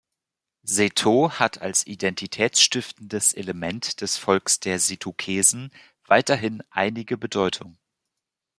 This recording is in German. Seto hat als identitätsstiftendes Element des Volks der Setukesen weiterhin einige Bedeutung.